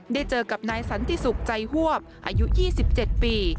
ได้เจอกับนายสันติสุขใจฮวบอายุ๒๗ปี